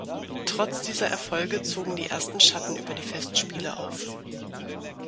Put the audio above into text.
Trotz dieser Erfolge zogen die ersten Schatten über die Festspiele auf.